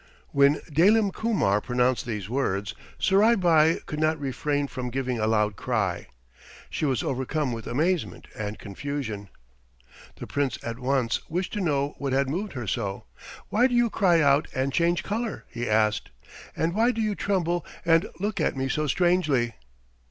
When Dalim Kumar pronounced these words Surai Bai could not refrain from giving a loud cry. She was overcome with amazement and confusion. The Prince at once wished to know what had moved her so. "Why do you cry out and change color?" he asked. "And why do you tremble and look at me so strangely?"